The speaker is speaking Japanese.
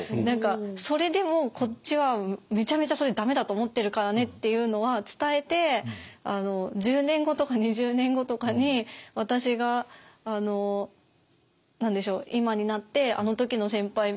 何かそれでもこっちはめちゃめちゃそれダメだと思ってるからねっていうのは伝えて１０年後とか２０年後とかに私が今になってあの時の先輩